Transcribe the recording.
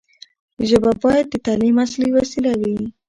ژبه باید د تعلیم اصلي وسیله وي.